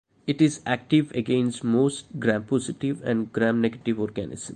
It is active against most Gram-positive and Gram-negative organisms.